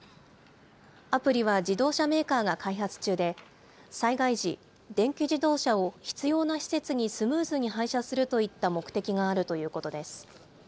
アプリは自動車メーカーが開発中で、災害時、電気自動車を必要な施設にスムーズに配車するといった目的があるということです。